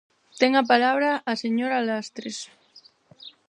Ten a palabra a señora Lastres.